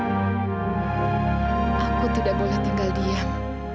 aku tidak boleh tinggal diam